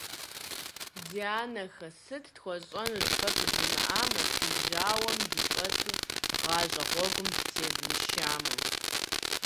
Ди анэхэ, сыт тхуэщӀэнут фэ фыдимыӀамэ, фи жьауэм дыщӀэту гъащӀэ гъуэгум дытевмышамэ?